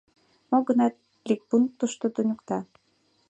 Мо гынат, ликпунктышто туныкта.